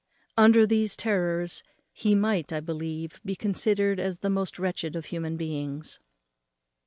Under these terrors he might, I believe, be considered as the most wretched of human beings.